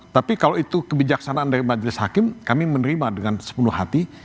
tapi kalau itu kebijaksanaan dari majelis hakim kami menerima dengan sepenuh hati